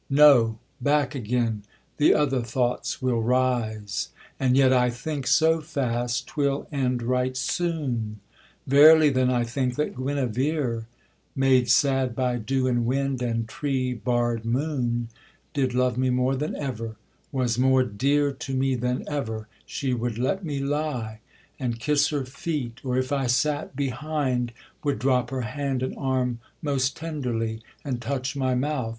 No. Back again, the other thoughts will rise, And yet I think so fast 'twill end right soon: Verily then I think, that Guenevere, Made sad by dew and wind, and tree barred moon, Did love me more than ever, was more dear To me than ever, she would let me lie And kiss her feet, or, if I sat behind, Would drop her hand and arm most tenderly, And touch my mouth.